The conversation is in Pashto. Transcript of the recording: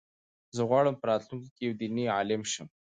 زه غواړم چې په راتلونکي کې یو دیني عالم شم.